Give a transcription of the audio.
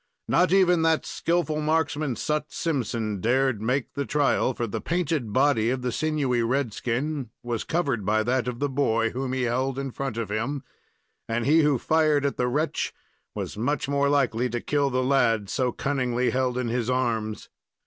Not even that skillful marksman, Sut Simpson, dared make the trial, for the painted body of the sinewy red skin was covered by that of the boy, whom he held in front of him, and he who fired at the wretch was much more likely to kill the lad so cunningly held in his arms.